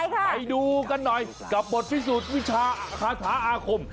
ไปดูกันหน่อยกับบทฤษฐุษธ์วิชาภาคม